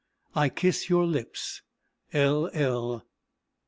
I kiss your lips. L. L."